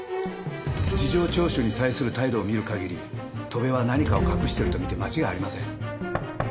事情聴取に対する態度を見る限り戸辺は何かを隠していると見て間違いありません。